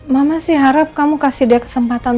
mama sih harap kamu kasih dia kesempatan